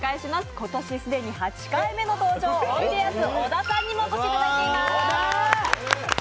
今年既に８回目の登場おいでやす小田さんにもお越しいただいています。